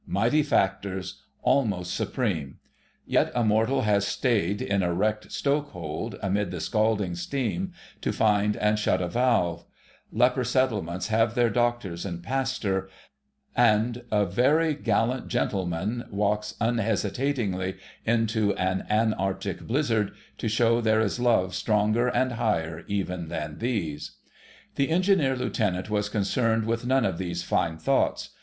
Mighty factors—almost supreme. Yet a mortal has stayed in a wrecked stokehold, amid the scalding steam, to find and shut a valve; Leper Settlements have their doctors and pastor; and "A very gallant Gentleman" walks unhesitatingly into an Antarctic blizzard, to show there is a love stronger and higher even than these. The Engineer Lieutenant was concerned with none of these fine thoughts.